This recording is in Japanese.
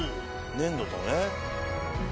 粘土だね。